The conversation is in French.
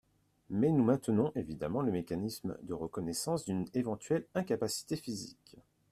Mais nous maintenons évidemment le mécanisme de reconnaissance d’une éventuelle incapacité physique.